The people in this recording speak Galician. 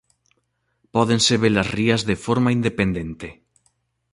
Pódense ver as rías de forma independente.